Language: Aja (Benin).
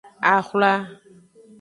Axwla.